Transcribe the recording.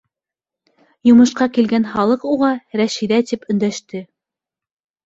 Йомошҡа килгән халыҡ уға Рәшиҙә тип өндәште.